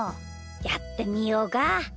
やってみようか。